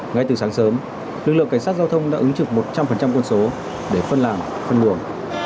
ngay từ sáng sớm lực lượng cảnh sát giao thông đã ứng trực một trăm linh con số để phân làm phân buồng